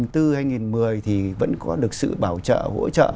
thì vẫn có được sự bảo trợ hỗ trợ